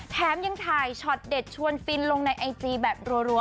แถมยังถ่ายช็อตเด็ดชวนฟินลงในไอจีแบบรัว